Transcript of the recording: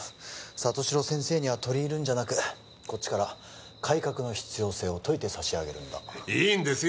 里城先生には取り入るんじゃなくこっちから改革の必要性を説いて差し上げるんだいいんですよ